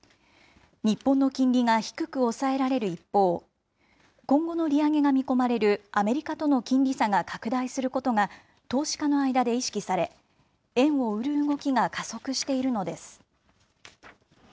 日本の金利が低く抑えられる一方、今後の利上げが見込まれるアメリカとの金利差が拡大することが投資家の間で意識され、円を売る動きが加速しているのです。